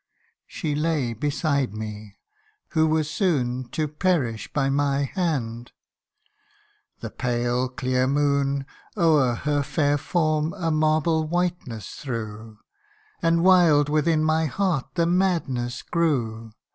She lay beside me, who was soon To perish by my hand : the pale clear moon O'er her fair form a marble whiteness threw, And wild within my heart the madness grew.